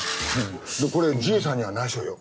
でもこれじーさんには内緒よ。